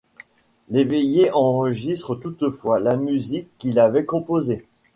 Léveillée enregistre toutefois la musique qu’il avait composée.